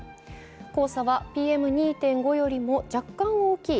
黄砂はＰＭ２．５よりも若干大きい